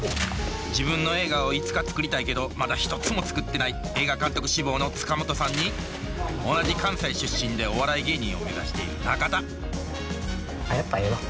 自分の映画をいつか作りたいけどまだ一つも作ってない映画監督志望の塚本さんに同じ関西出身でお笑い芸人を目指している中田あっやっぱええわ。